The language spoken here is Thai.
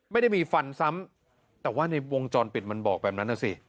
ไม่ได้มีฟันซ้ำแต่ว่าในวงจรปิดมันบอกแบบนั้นนะสิ